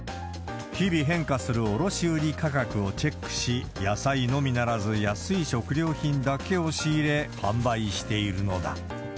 日々変化する卸売価格をチェックし、野菜のみならず安い食料品だけを仕入れ、販売しているのだ。